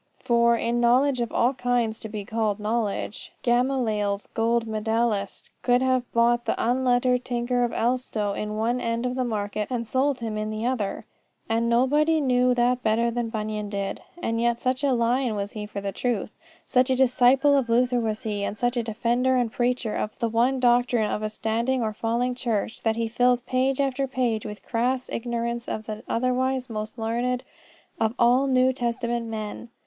For, in knowledge of all kinds to be called knowledge, Gamaliel's gold medallist could have bought the unlettered tinker of Elstow in one end of the market and sold him in the other. And nobody knew that better than Bunyan did. And yet such a lion was he for the truth, such a disciple of Luther was he, and such a defender and preacher of the one doctrine of a standing or falling church, that he fills page after page with the crass ignorance of the otherwise most learned of all the New Testament men.